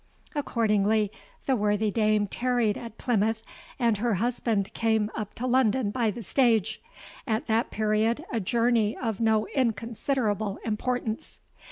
Accordingly, the worthy dame tarried at Plymouth, and her husband came up to London by the stage—at that period a journey of no inconsiderable importance.